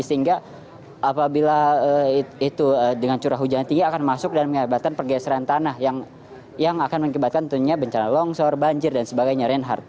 sehingga apabila itu dengan curah hujan tinggi akan masuk dan mengakibatkan pergeseran tanah yang akan mengakibatkan tentunya bencana longsor banjir dan sebagainya reinhardt